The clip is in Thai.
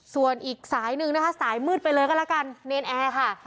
ส่วนอีกสายหนึ่งนะคะสายมืดไปเลยก็แล้วกันเนรนแอร์ค่ะ